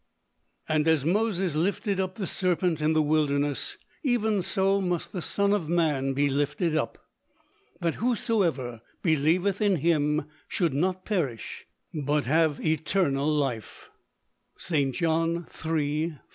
"And as Moses lifted up the serpent in the wilderness, even so must the Son of man be lifted up. "That whosoever believeth in Him should not perish but have eternal life." St. John, 3:14, 15.